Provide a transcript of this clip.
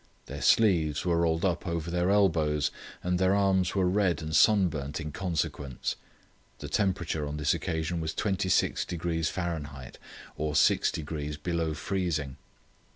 Their sleeves were rolled up over their elbows, and their arms were red and sunburnt in consequence. The temperature on this occasion was 26° Fahr., or 6° below freezing.